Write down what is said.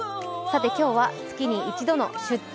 今日は月に一度の「出張！